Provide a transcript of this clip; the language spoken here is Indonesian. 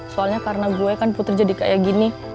soalnya karena gue kan putri jadi kayak gini